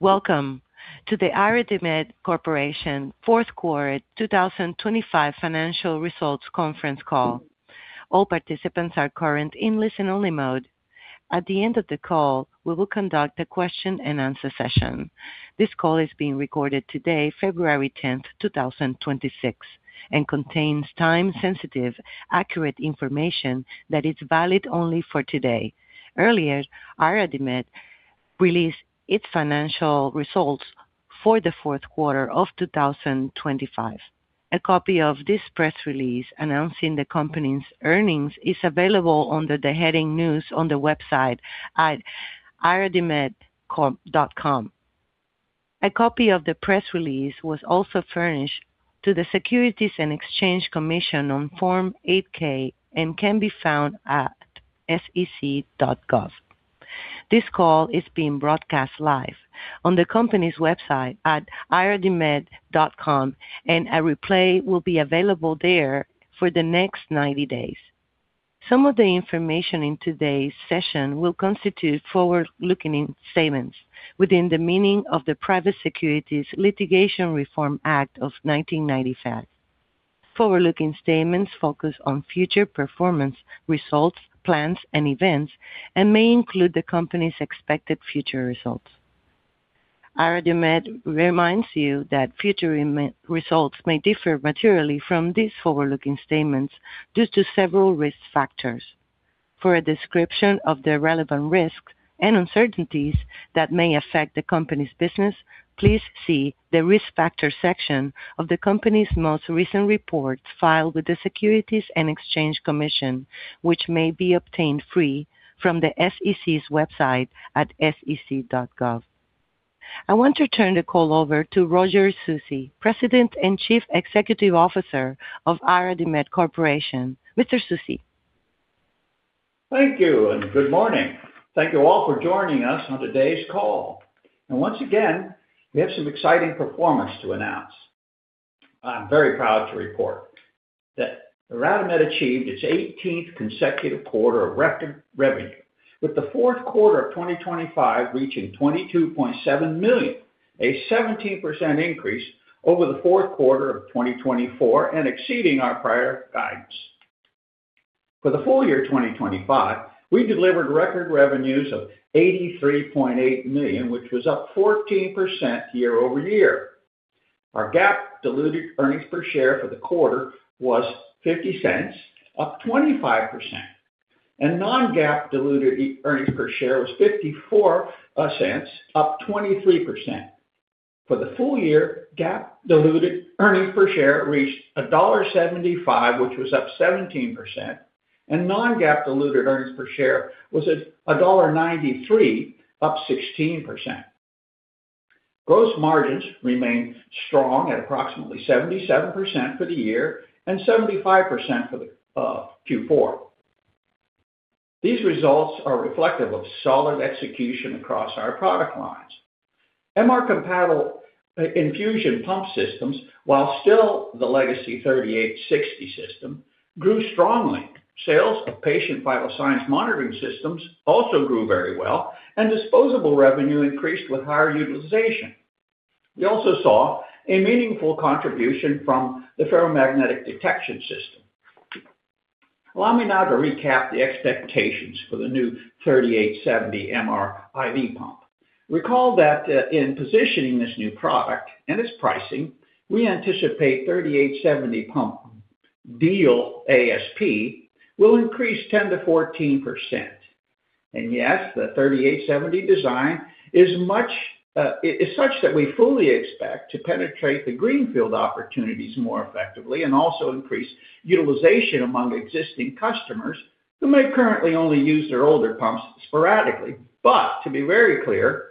Welcome to the IRadimed Corporation Fourth Quarter 2025 Financial Results Conference Call. All participants are current in listen-only mode. At the end of the call, we will conduct a question-and-answer session. This call is being recorded today, February 10th, 2026, and contains time-sensitive, accurate information that is valid only for today. Earlier, IRadimed released its financial results for the fourth quarter of 2025. A copy of this press release announcing the company's earnings is available under the heading "News" on the website at iradimed.com. A copy of the press release was also furnished to the Securities and Exchange Commission on Form 8-K and can be found at sec.gov. This call is being broadcast live on the company's website at iradimed.com, and a replay will be available there for the next 90 days. Some of the information in today's session will constitute forward-looking statements within the meaning of the Private Securities Litigation Reform Act of 1995. Forward-looking statements focus on future performance results, plans, and events, and may include the company's expected future results. IRadimed reminds you that future results may differ materially from these forward-looking statements due to several risk factors. For a description of the relevant risks and uncertainties that may affect the company's business, please see the risk factor section of the company's most recent report filed with the Securities and Exchange Commission, which may be obtained free from the SEC's website at sec.gov. I want to turn the call over to Roger Susi, President and Chief Executive Officer of IRadimed Corporation. Mr. Susi. Thank you and good morning. Thank you all for joining us on today's call. Once again, we have some exciting performance to announce. I'm very proud to report that IRadimed achieved its 18th consecutive quarter of record revenue, with the fourth quarter of 2025 reaching $22.7 million, a 17% increase over the fourth quarter of 2024 and exceeding our prior guidance. For the full year 2025, we delivered record revenues of $83.8 million, which was up 14% year-over-year. Our GAAP diluted earnings per share for the quarter was $0.50, up 25%, and non-GAAP diluted earnings per share was $0.54, up 23%. For the full year, GAAP diluted earnings per share reached $1.75, which was up 17%, and non-GAAP diluted earnings per share was at $1.93, up 16%. Gross margins remained strong at approximately 77% for the year and 75% for Q4. These results are reflective of solid execution across our product lines. MR-compatible infusion pump systems, while still the legacy 3860 system, grew strongly. Sales of patient vital signs monitoring systems also grew very well, and disposable revenue increased with higher utilization. We also saw a meaningful contribution from the ferromagnetic detection system. Allow me now to recap the expectations for the new 3870 MR IV pump. Recall that in positioning this new product and its pricing, we anticipate 3870 pump deal ASP will increase 10%-14%. And yes, the 3870 design is such that we fully expect to penetrate the greenfield opportunities more effectively and also increase utilization among existing customers who may currently only use their older pumps sporadically. But to be very clear,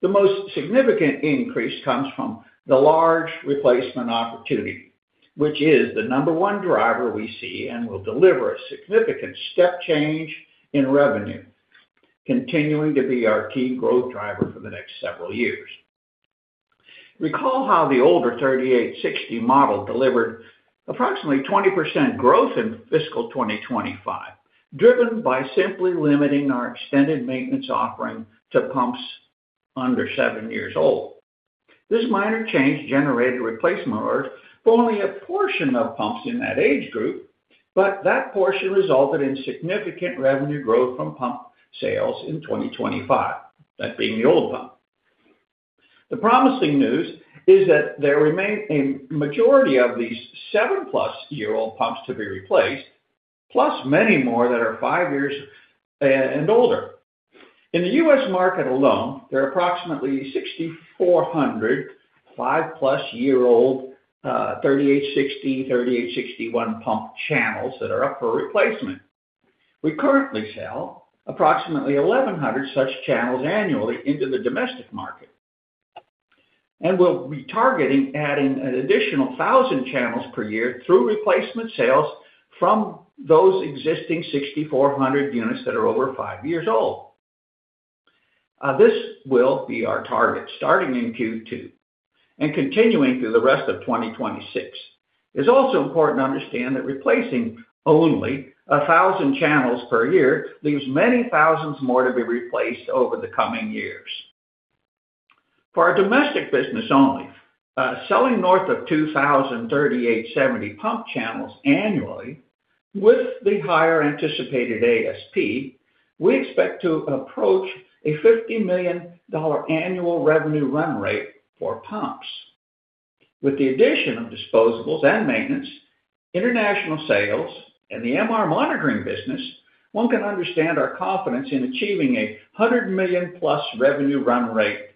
the most significant increase comes from the large replacement opportunity, which is the number one driver we see and will deliver a significant step change in revenue, continuing to be our key growth driver for the next several years. Recall how the older 3860 model delivered approximately 20% growth in fiscal 2025, driven by simply limiting our extended maintenance offering to pumps under 7 years old. This minor change generated replacements for only a portion of pumps in that age group, but that portion resulted in significant revenue growth from pump sales in 2025, that being the old pump. The promising news is that there remain a majority of these 7+-year-old pumps to be replaced, plus many more that are 5 years and older. In the U.S. market alone, there are approximately 6,400 5+-year-old 3860/3861 pump channels that are up for replacement. We currently sell approximately 1,100 such channels annually into the domestic market, and we'll be targeting adding an additional 1,000 channels per year through replacement sales from those existing 6,400 units that are over 5 years old. This will be our target starting in Q2 and continuing through the rest of 2026. It's also important to understand that replacing only 1,000 channels per year leaves many thousands more to be replaced over the coming years. For our domestic business only, selling north of 2,000 3870 pump channels annually with the higher anticipated ASP, we expect to approach a $50 million annual revenue run rate for pumps. With the addition of disposables and maintenance, international sales, and the MR monitoring business, one can understand our confidence in achieving a $100 million-plus revenue run rate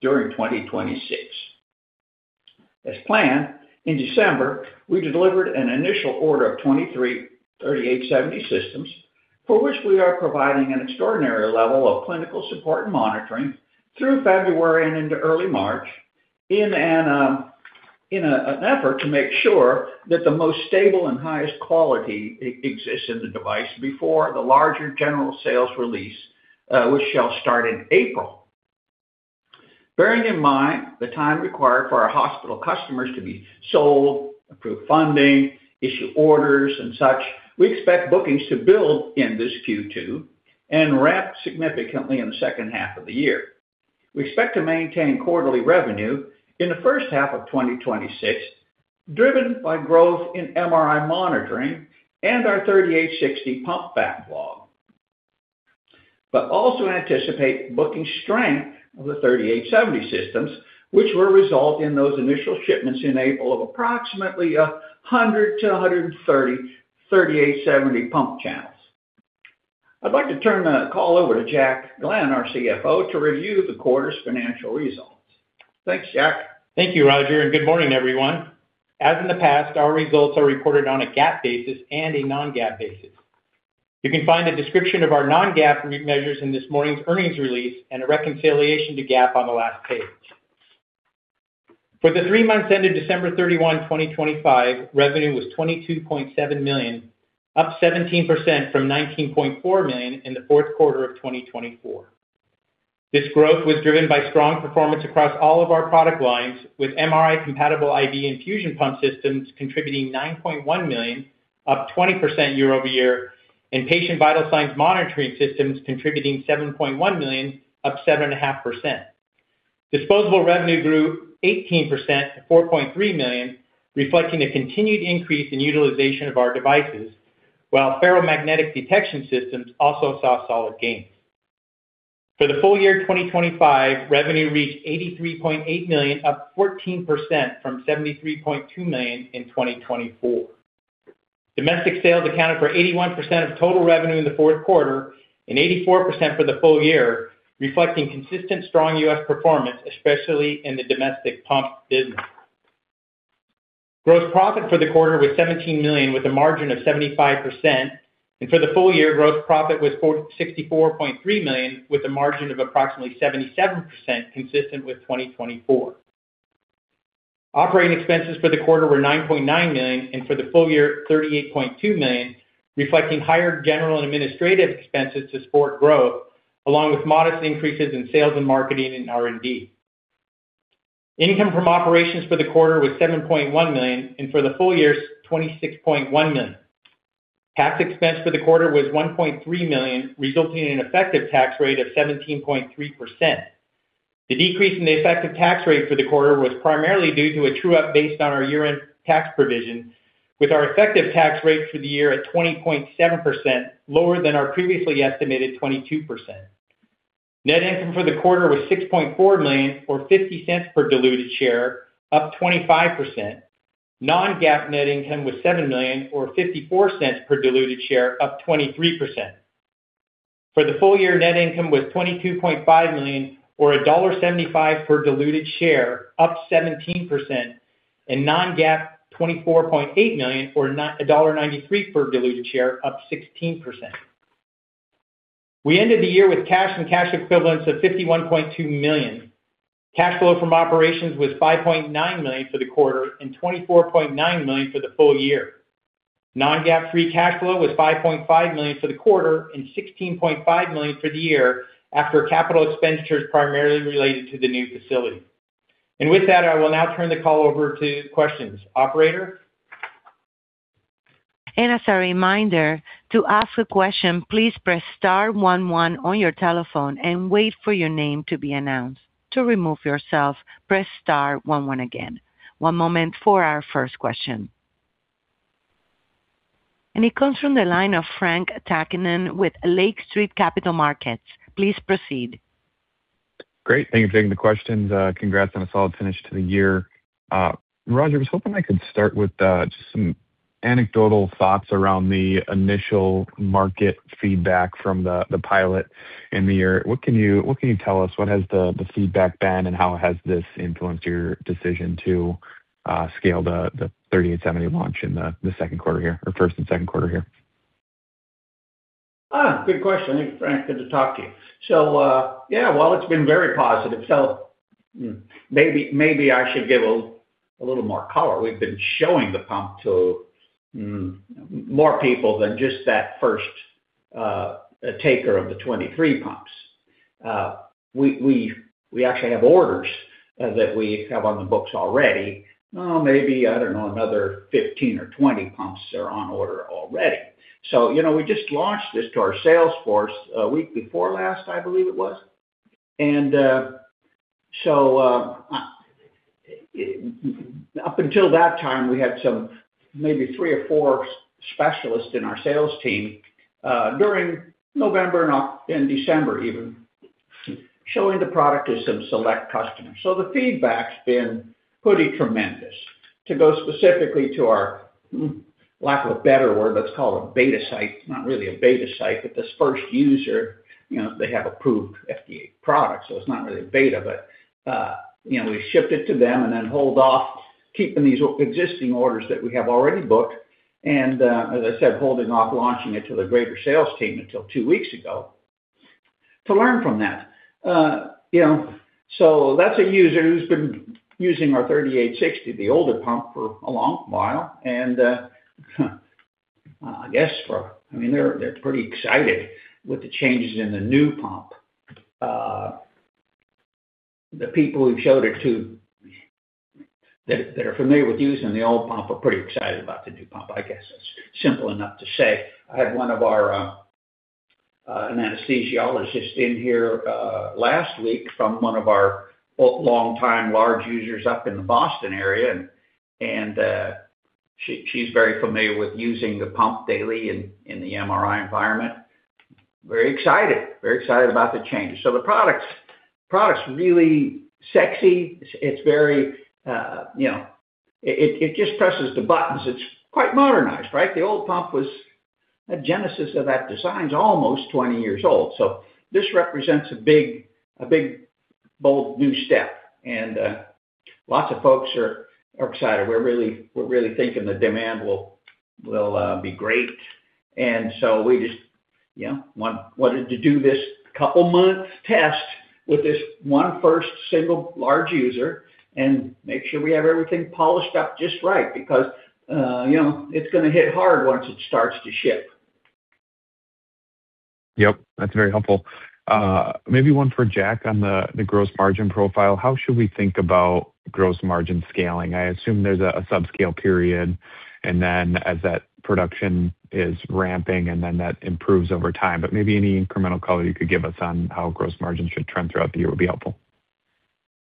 during 2026. As planned, in December, we delivered an initial order of 23 3870 systems, for which we are providing an extraordinary level of clinical support and monitoring through February and into early March, in an effort to make sure that the most stable and highest quality exists in the device before the larger general sales release, which shall start in April. Bearing in mind the time required for our hospital customers to be sold, approve funding, issue orders, and such, we expect bookings to build in this Q2 and ramp significantly in the second half of the year. We expect to maintain quarterly revenue in the first half of 2026, driven by growth in MRI monitoring and our 3860 pump backlog, but also anticipate booking strength of the 3870 systems, which will result in those initial shipments in April of approximately 100-130 3870 pump channels. I'd like to turn the call over to Jack Glenn, our CFO, to review the quarter's financial results. Thanks, Jack. Thank you, Roger, and good morning, everyone. As in the past, our results are reported on a GAAP basis and a non-GAAP basis. You can find a description of our non-GAAP measures in this morning's earnings release and a reconciliation to GAAP on the last page. For the three months ended December 31, 2025, revenue was $22.7 million, up 17% from $19.4 million in the fourth quarter of 2024. This growth was driven by strong performance across all of our product lines, with MRI-compatible IV infusion pump systems contributing $9.1 million, up 20% year-over-year, and patient vital signs monitoring systems contributing $7.1 million, up 7.5%. Disposable revenue grew 18% to $4.3 million, reflecting a continued increase in utilization of our devices, while ferromagnetic detection systems also saw solid gains. For the full year 2025, revenue reached $83.8 million, up 14% from $73.2 million in 2024. Domestic sales accounted for 81% of total revenue in the fourth quarter and 84% for the full year, reflecting consistent strong U.S. performance, especially in the domestic pump business. Gross profit for the quarter was $17 million, with a margin of 75%, and for the full year, gross profit was $64.3 million, with a margin of approximately 77% consistent with 2024. Operating expenses for the quarter were $9.9 million, and for the full year, $38.2 million, reflecting higher general and administrative expenses to support growth, along with modest increases in sales and marketing and R&D. Income from operations for the quarter was $7.1 million, and for the full year, $26.1 million. Tax expense for the quarter was $1.3 million, resulting in an effective tax rate of 17.3%. The decrease in the effective tax rate for the quarter was primarily due to a true-up based on our year-end tax provision, with our effective tax rate for the year at 20.7%, lower than our previously estimated 22%. Net income for the quarter was $6.4 million, or $0.50 per diluted share, up 25%. Non-GAAP net income was $7 million, or $0.54 per diluted share, up 23%. For the full year, net income was $22.5 million, or $1.75 per diluted share, up 17%, and non-GAAP $24.8 million, or $1.93 per diluted share, up 16%. We ended the year with cash and cash equivalents of $51.2 million. Cash flow from operations was $5.9 million for the quarter and $24.9 million for the full year. Non-GAAP free cash flow was $5.5 million for the quarter and $16.5 million for the year, after capital expenditures primarily related to the new facility. With that, I will now turn the call over to questions. Operator. As a reminder, to ask a question, please press star 11 on your telephone and wait for your name to be announced. To remove yourself, press star 11 again. One moment for our first question. It comes from the line of Frank Takkinen with Lake Street Capital Markets. Please proceed. Great. Thank you for taking the questions. Congrats on a solid finish to the year. Roger, I was hoping I could start with just some anecdotal thoughts around the initial market feedback from the pilot in the year. What can you tell us? What has the feedback been and how has this influenced your decision to scale the 3870 launch in the second quarter here, or first and second quarter here? Good question. Thank you, Frank. Good to talk to you. So yeah, well, it's been very positive. So maybe I should give a little more color. We've been showing the pump to more people than just that first taker of the 23 pumps. We actually have orders that we have on the books already. Maybe, I don't know, another 15 or 20 pumps are on order already. So we just launched this to our sales force a week before last, I believe it was. And so up until that time, we had maybe three or four specialists in our sales team during November and December even, showing the product to some select customers. So the feedback's been pretty tremendous. To go specifically to our, lack of a better word, let's call it a beta site, not really a beta site, but this first user, they have approved FDA products, so it's not really a beta, but we shipped it to them and then hold off keeping these existing orders that we have already booked and, as I said, holding off launching it to the greater sales team until two weeks ago to learn from that. So that's a user who's been using our 3860, the older pump, for a long while, and I guess I mean, they're pretty excited with the changes in the new pump. The people who've showed it to that are familiar with using the old pump are pretty excited about the new pump, I guess. It's simple enough to say. I had one of our anesthesiologists in here last week from one of our long-time large users up in the Boston area, and she's very familiar with using the pump daily in the MRI environment. Very excited, very excited about the changes. So the product's really sexy. It's very it just presses the buttons. It's quite modernized, right? The old pump was the genesis of that design's almost 20 years old. So this represents a big, bold new step, and lots of folks are excited. We're really thinking the demand will be great. And so we just wanted to do this couple-month test with this one first single large user and make sure we have everything polished up just right because it's going to hit hard once it starts to ship. Yep. That's very helpful. Maybe one for Jack on the gross margin profile. How should we think about gross margin scaling? I assume there's a subscale period, and then as that production is ramping and then that improves over time. But maybe any incremental color you could give us on how gross margins should trend throughout the year would be helpful.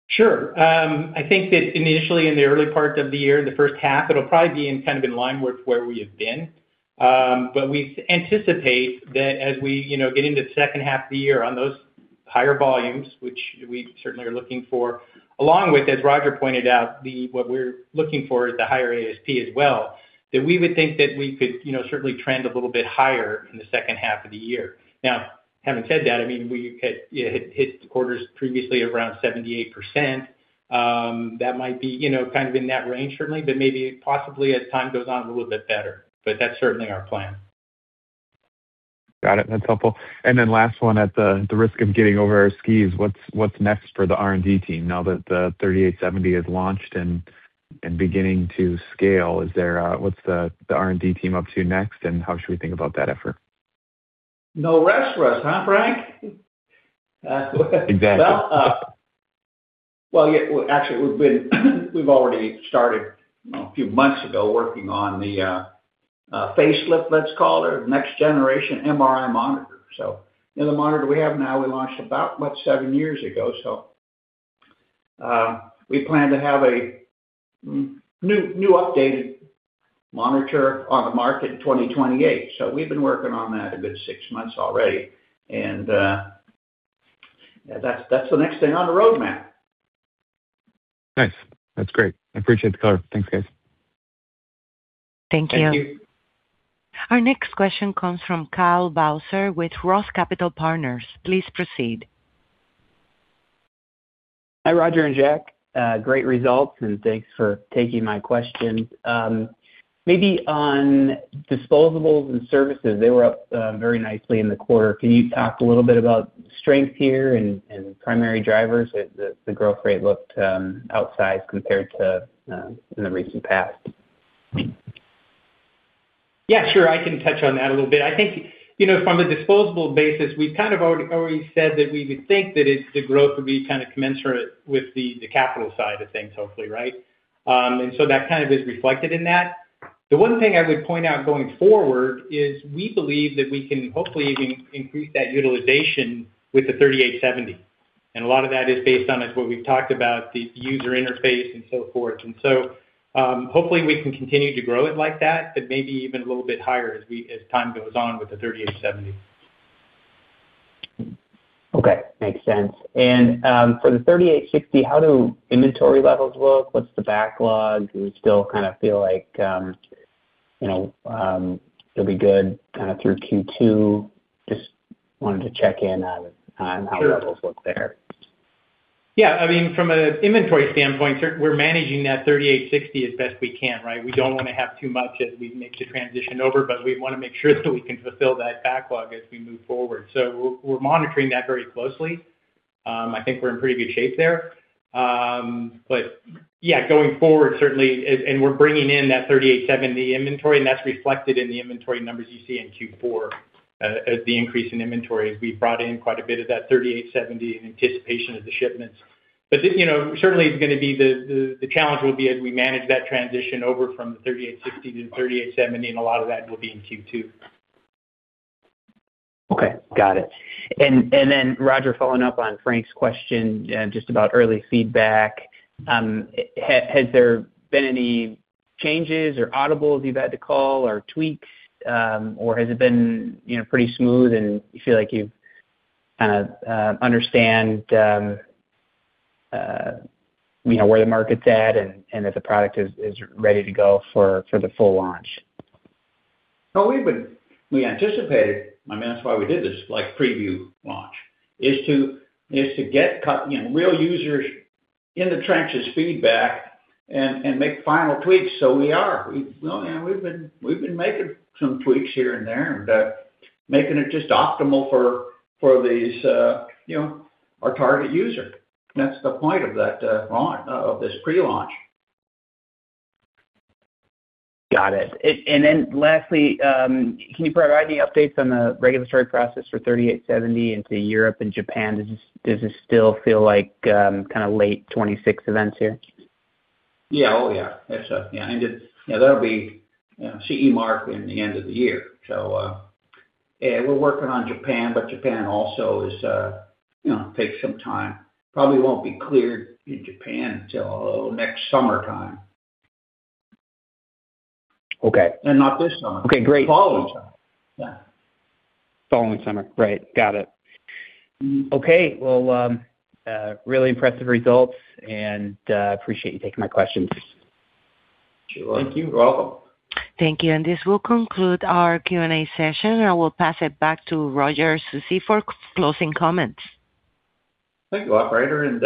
Sure. I think that initially, in the early part of the year, in the first half, it'll probably be kind of in line with where we have been. But we anticipate that as we get into the second half of the year on those higher volumes, which we certainly are looking for, along with, as Roger pointed out, what we're looking for is the higher ASP as well, that we would think that we could certainly trend a little bit higher in the second half of the year. Now, having said that, I mean, we had hit orders previously of around 78%. That might be kind of in that range, certainly, but maybe possibly, as time goes on, a little bit better. But that's certainly our plan. Got it. That's helpful. And then last one, at the risk of getting over our skis, what's next for the R&D team now that the 3870 is launched and beginning to scale? What's the R&D team up to next, and how should we think about that effort? No rest for us, huh, Frank? Exactly. Well, actually, we've already started a few months ago working on the facelift, let's call it, next-generation MRI monitor. So the monitor we have now, we launched about, what, seven years ago. So we plan to have a new updated monitor on the market in 2028. So we've been working on that a good six months already, and that's the next thing on the roadmap. Nice. That's great. I appreciate the color. Thanks, guys. Thank you. Thank you. Our next question comes from Kyle Bauser with Roth Capital Partners. Please proceed. Hi, Roger and Jack. Great results, and thanks for taking my questions. Maybe on disposables and services, they were up very nicely in the quarter. Can you talk a little bit about strength here and primary drivers? The growth rate looked outsized compared to in the recent past. Yeah, sure. I can touch on that a little bit. I think from the disposable basis, we've kind of already said that we would think that the growth would be kind of commensurate with the capital side of things, hopefully, right? And so that kind of is reflected in that. The one thing I would point out going forward is we believe that we can hopefully even increase that utilization with the 3870. And a lot of that is based on, as what we've talked about, the user interface and so forth. And so hopefully, we can continue to grow it like that, but maybe even a little bit higher as time goes on with the 3870. Okay. Makes sense. For the 3860, how do inventory levels look? What's the backlog? Do we still kind of feel like it'll be good kind of through Q2? Just wanted to check in on how levels look there. Yeah. I mean, from an inventory standpoint, we're managing that 3860 as best we can, right? We don't want to have too much as we make the transition over, but we want to make sure that we can fulfill that backlog as we move forward. So we're monitoring that very closely. I think we're in pretty good shape there. But yeah, going forward, certainly, and we're bringing in that 3870 inventory, and that's reflected in the inventory numbers you see in Q4 as the increase in inventory. We've brought in quite a bit of that 3870 in anticipation of the shipments. But certainly, it's going to be. The challenge will be as we manage that transition over from the 3860 to the 3870, and a lot of that will be in Q2. Okay. Got it. And then, Roger, following up on Frank's question just about early feedback, has there been any changes or audibles you've had to call or tweaks, or has it been pretty smooth and you feel like you kind of understand where the market's at and that the product is ready to go for the full launch? No, we anticipated - I mean, that's why we did this preview launch - is to get real users in the trenches feedback and make final tweaks. So we are. We've been making some tweaks here and there and making it just optimal for our target user. That's the point of this prelaunch. Got it. And then lastly, can you provide any updates on the regulatory process for 3870 into Europe and Japan? Does this still feel like kind of late 2026 events here? Yeah. Oh, yeah. Yeah. And that'll be CE mark in the end of the year. So we're working on Japan, but Japan also takes some time. Probably won't be cleared in Japan until next summertime. And not this summer. The following summer. Yeah. Following summer. Right. Got it. Okay. Well, really impressive results, and I appreciate you taking my questions. Sure. Thank you. You're welcome. Thank you. And this will conclude our Q&A session, and I will pass it back to Roger Susi for closing comments. Thank you, Operator. And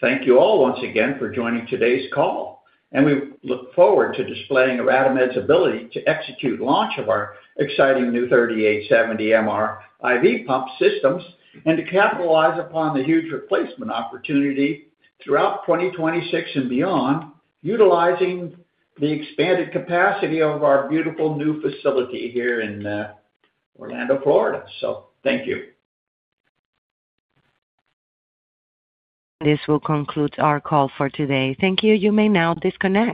thank you all once again for joining today's call. And we look forward to displaying IRadimed's ability to execute launch of our exciting new 3870 MR IV pump systems and to capitalize upon the huge replacement opportunity throughout 2026 and beyond, utilizing the expanded capacity of our beautiful new facility here in Orlando, Florida. So thank you. This will conclude our call for today. Thank you. You may now disconnect.